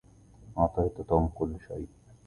أعطيت توم كل شيء.